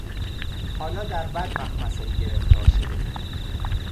حالا در بد مخمصهای گرفتار شدهای!